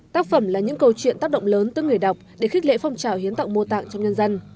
tác phẩm là những câu chuyện tác động lớn tới người đọc để khích lệ phong trào hiến tặng mô tặng trong nhân dân